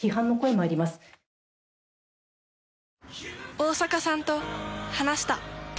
大坂さんと話した。